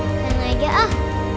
disana aja ah